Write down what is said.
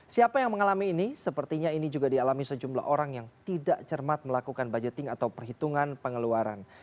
siapa yang mengalami ini sepertinya ini juga dialami sejumlah orang yang tidak cermat melakukan budgeting atau perhitungan pengeluaran